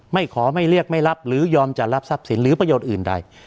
ขอไม่เรียกไม่รับหรือยอมจะรับทรัพย์สินหรือประโยชน์อื่นใด